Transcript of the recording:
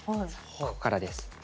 ここからです。